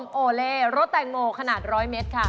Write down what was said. โปรดติดตามต่อไป